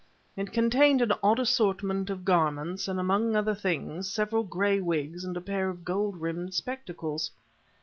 It contained an odd assortment of garments, and amongst other things several gray wigs and a pair of gold rimmed spectacles.